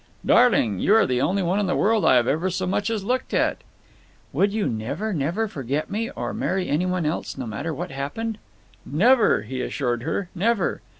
"Darling, you are the only one in the world I have ever so much as looked at." "Would you never, never forget me, or marry anyone else, no matter what happened?" "Never," he assured her, "never."